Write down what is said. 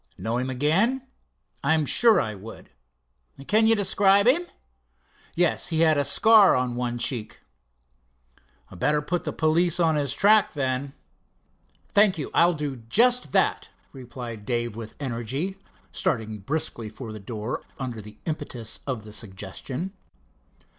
"Know him again?" "I am sure I would." "Can you describe him?" "Yes, he had a scar on one cheek." "Better put the police on his track, then." "Thank you, I'll do just that," replied Dave with energy, starting briskly for the door under the impetus of the suggestion.